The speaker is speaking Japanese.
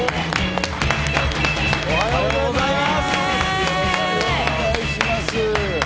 おはようございます！